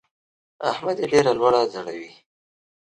احمد يې ډېره لوړه ځړوي.